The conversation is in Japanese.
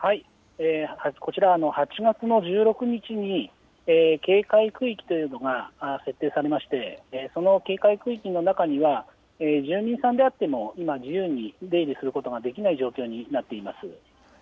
こちらは、８月の１６日に警戒区域というのが設定されまして、その警戒区域の中には、住民さんであっても、今、自由に出入りすることができない状況になっています。